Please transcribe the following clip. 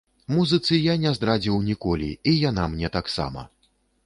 Музыцы я не здрадзіў ніколі, і яна мне таксама.